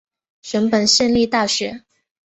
熊本县立大学